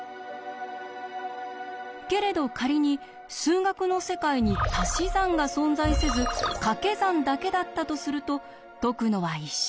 けれど仮に数学の世界にたし算が存在せずかけ算だけだったとすると解くのは一瞬です。